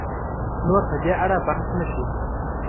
نور په دې اړه بحث نه شي